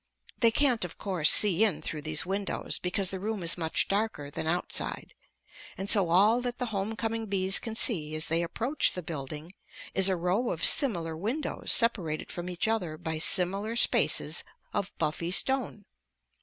They can't, of course, see in through these windows because the room is much darker than outside, and so all that the home coming bees can see as they approach the building is a row of similar windows separated from each other by similar spaces of buffy stone.